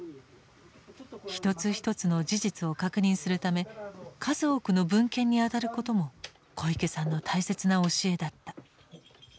一つ一つの事実を確認するため数多くの文献にあたることも小池さんの大切な教えだった。